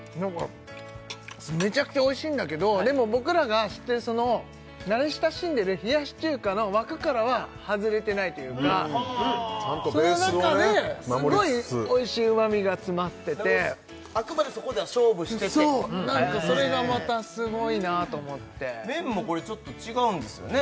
めちゃくちゃおいしいんだけどでも僕らが知ってる慣れ親しんでる冷やし中華の枠からは外れてないというかちゃんとベースをね守りつつその中ですごいおいしいうまみが詰まっててあくまでそこでは勝負しててそう何かそれがまたすごいなと思って麺もこれちょっと違うんですよね？